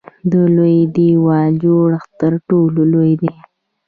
د لوی دیوال جوړښت تر ټولو لوی دی.